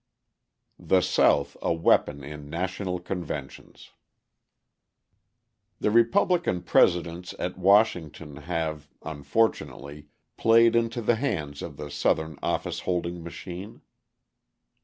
The South a Weapon in National Conventions The Republican Presidents at Washington have, unfortunately, played into the hands of the Southern office holding machine.